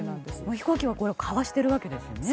飛行機はかわしているわけですね。